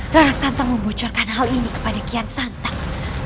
rara santang membocorkan hal ini kepada kian santang